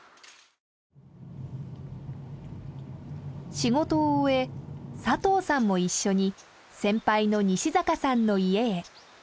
仕事を終え佐藤さんも一緒に先輩の西坂さんの家へ。